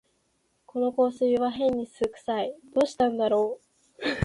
この香水はへんに酢くさい、どうしたんだろう